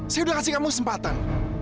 saya udah kasih kamu kesempatan